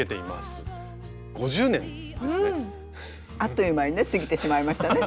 あっという間にね過ぎてしまいましたね。